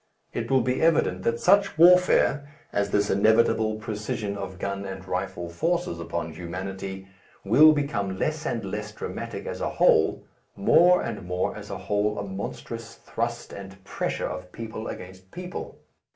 It will be evident that such warfare as this inevitable precision of gun and rifle forces upon humanity, will become less and less dramatic as a whole, more and more as a whole a monstrous thrust and pressure of people against people.